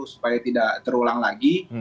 supaya tidak terulang lagi